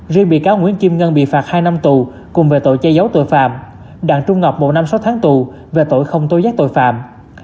riêng bị cáo nguyễn kim ngân bị phạt hai năm tù cùng về tội chạy giấu tội phạm